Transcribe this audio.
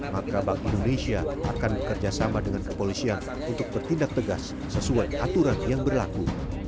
maka bank indonesia akan bekerjasama dengan kepolisian untuk bertindak tegas sesuai aturan yang berlaku